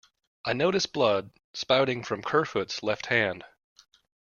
I noticed blood spouting from Kerfoot's left hand.